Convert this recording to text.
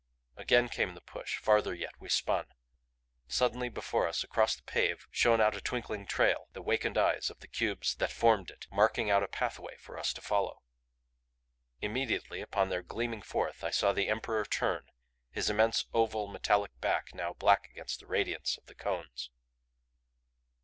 Again came the push farther yet we spun. Suddenly before us, across the pave, shone out a twinkling trail the wakened eyes of the cubes that formed it, marking out a pathway for us to follow. Immediately upon their gleaming forth I saw the Emperor turn his immense, oval, metallic back now black against the radiance of the cones.